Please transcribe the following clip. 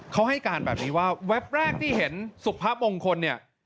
เขาให้การแบบนี้ว่าแวบแรกที่เห็นสุภาพมงคลเนี่ย